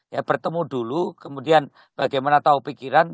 ya bertemu dulu kemudian bagaimana tahu pikiran